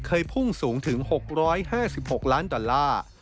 เคยพุ่งสูงถึง๖๕๖ล้านดอลลาร์